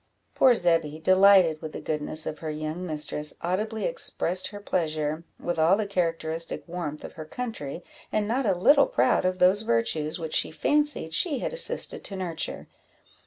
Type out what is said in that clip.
Poor Zebby, delighted with the goodness of her young mistress, audibly expressed her pleasure, with all the characteristic warmth of her country, and not a little proud of those virtues which she fancied she had assisted to nurture.